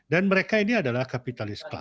dan mereka ini adalah kapitalis kelas